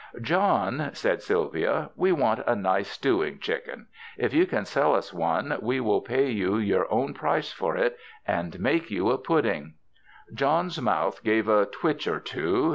''John," said Sylvia, "we want a nice stewing chicken. If you can sell us one, we will pay you your own price for it, and make you a pudding." John's mouth gave a twitch or two.